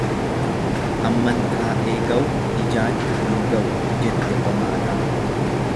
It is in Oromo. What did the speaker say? Amman taa'ee gawu ijaajju hin gawu jette qomaaxaan.